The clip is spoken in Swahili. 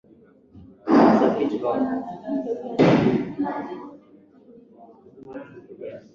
Mto Malagarasi unavukwa na madaraja kadhaa